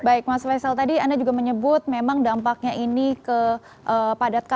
baik mas faisal tadi anda juga menyebut memang dampaknya ini kepadat